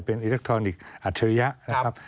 เป็นอิเล็กทรอนิกส์อัจฉริยะนะครับ